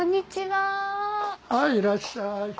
はいいらっしゃい。